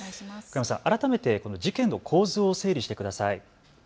改めて、この事件の構図を整理してください。